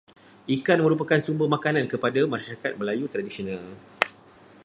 Ikan merupakan sumber makanan kepada masyarakat Melayu tradisional.